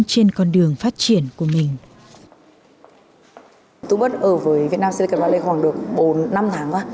trên con đường phát triển của mình